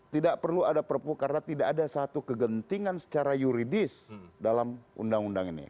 tidak perlu ada perpu karena tidak ada satu kegentingan secara yuridis dalam undang undang ini